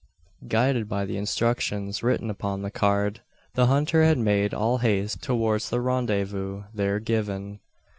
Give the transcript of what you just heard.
Guided by the instructions written upon the card, the hunter had made all haste towards the rendezvous there given.